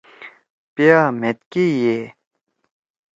پیا مھید کے یے۔